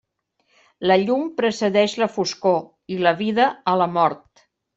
La llum precedeix la foscor i la vida a la mort.